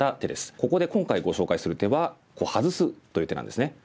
ここで今回ご紹介する手はハズすという手なんですね。